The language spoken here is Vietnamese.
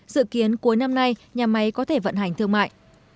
dự kiến cuối năm nay nhà máy có thể vận hành thương mại